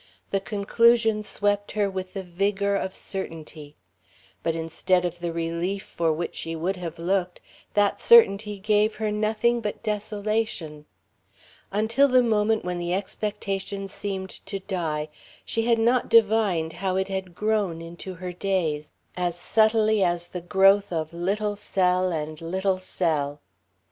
The conclusion swept her with the vigour of certainty. But instead of the relief for which she would have looked, that certainty gave her nothing but desolation. Until the moment when the expectation seemed to die she had not divined how it had grown into her days, as subtly as the growth of little cell and little cell.